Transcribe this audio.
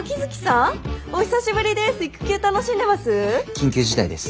緊急事態です。